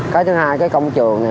cái thứ hai cái công trường này